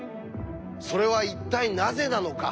それは一体なぜなのか。